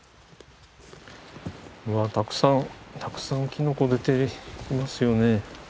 うわたくさんたくさんきのこ出ていますよね。